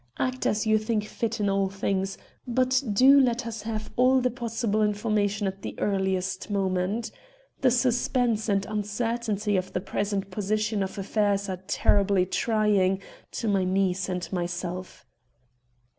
Act as you think fit in all things, but do let us have all possible information at the earliest moment. The suspense and uncertainty of the present position of affairs are terribly trying to my niece and myself."